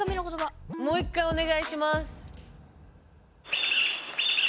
もう一回お願いします！